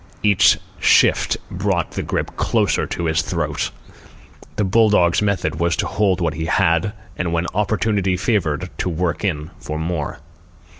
Each shift brought the grip closer to his throat. The bull dog's method was to hold what he had, and when opportunity favoured to work in for more.